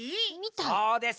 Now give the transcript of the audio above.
そうです。